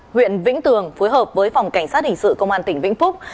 huyện vĩnh tường phối hợp với phòng cảnh sát hình sự công an tỉnh vĩnh phúc